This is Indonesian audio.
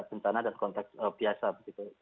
bencana dan konteks biasa begitu